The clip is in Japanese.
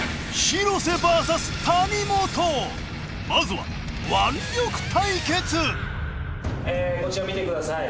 まずはこちら見てください。